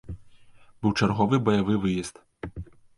Быў чарговы баявы выезд.